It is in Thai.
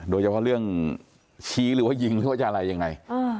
โดยเฉพาะเรื่องชี้หรือว่ายิงหรือว่าจะอะไรยังไง